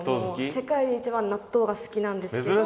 世界で一番納豆が好きなんですけど。